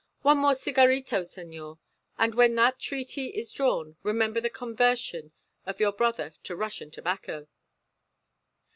One more cigarito, senor, and when that treaty is drawn remember the conversion of your brother to Russian tobacco."